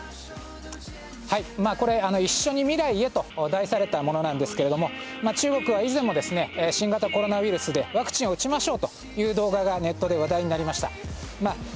「一緒に未来へ」と題されたものなんですが中国は以前も新型コロナウイルスでワクチンを打ちましょうという動画がネットで話題になりました。